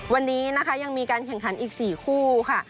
วันนี้นะคะยังมีการแข่งขันอีก๔คู่ค่ะ